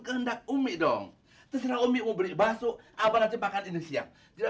kehendak umidang terserah umi uberi basuh abang cepatkan ini siang tidak